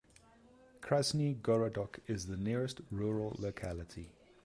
Krasny Gorodok is the nearest rural locality.